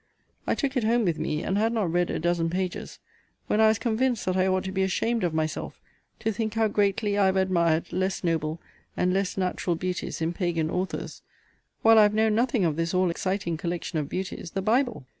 I took it home with me, and had not read a dozen pages, when I was convinced that I ought to be ashamed of myself to think how greatly I have admired less noble and less natural beauties in Pagan authors; while I have known nothing of this all exciting collection of beauties, the Bible!